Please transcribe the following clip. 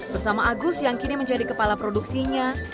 bersama agus yang kini menjadi kepala produksinya